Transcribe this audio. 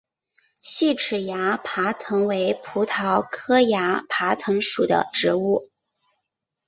细齿崖爬藤为葡萄科崖爬藤属的植物。